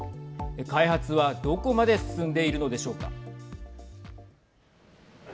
開発は、どこまで進んでいるのでしょうか。